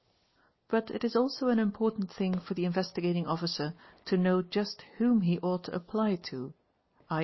But it is also an important thing for the Investigating Officer to know just whom he ought to apply to ¢.